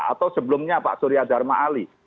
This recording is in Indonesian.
atau sebelumnya pak surya dharma ali